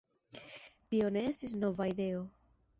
Tio ne estis nova ideo.